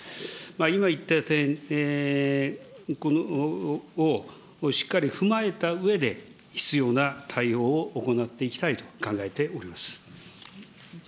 今言った点を、しっかり踏まえたうえで、必要な対応を行っていきたいと考えております。